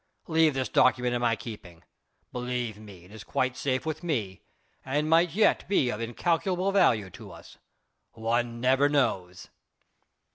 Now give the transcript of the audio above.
Leave this document in my keeping; believe me, it is quite safe with me and might yet be of incalculable value to us. One never knows."